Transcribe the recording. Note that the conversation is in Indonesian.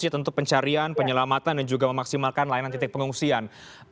untuk pencarian penyelamatan dan juga memaksimalkan layanan titik pengungsian